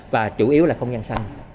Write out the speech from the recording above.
và chủ yếu là không gian xanh